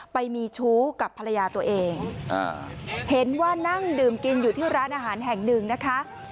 ไปมีชู้กับภรรยาตัวเองเห็นว่านั่งดื่มกินอยู่ที่ร้านอาหารแห่งหนึ่งนะคะ